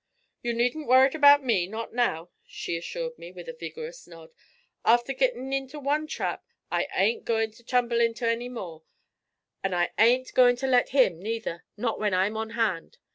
'You needn't worrit about me, not now,' she assured me, with a vigorous nod. 'After gitten' into one trap I ain't a goin' to tumble into any more, an' I ain't goin' ter let him, neither, not when I'm on hand.